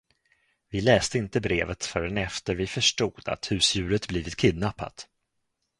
Vi läste inte brevet förrän efter vi förstod att husdjuret blivit kidnappat.